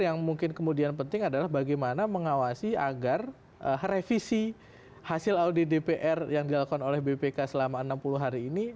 yang mungkin kemudian penting adalah bagaimana mengawasi agar revisi hasil audit dpr yang dilakukan oleh bpk selama enam puluh hari ini